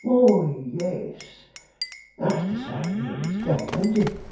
'Why, yes that's to say, near his dad.